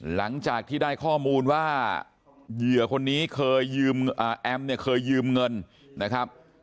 หลังจากที่ได้ข้อมูลว่าเหยื่อคนนี้เคยยืมแอมเนี่ยเคยยืมเงินนะครับ